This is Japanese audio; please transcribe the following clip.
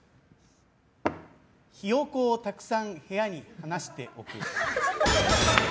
ヒヨコをたくさん部屋に放しておく。